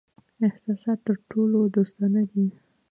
احساسات تر ټولو دوستانه دي.